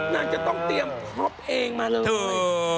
นางจะต้องเตรียมท็อปเองมาเลย